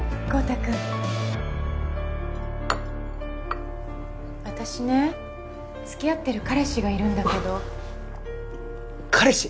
昊汰君私ね付き合ってる彼氏がいるんだけどフッ彼氏！？